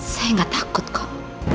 saya gak takut kok